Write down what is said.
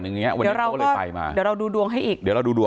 เดี๋ยวเราดูดวงให้อีก